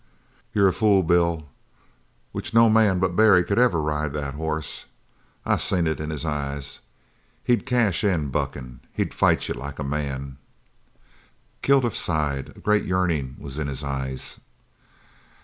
"You're a fool, Bill. Which no man but Barry could ever ride that hoss. I seen it in his eye. He'd cash in buckin'. He'd fight you like a man." Kilduff sighed. A great yearning was in his eyes.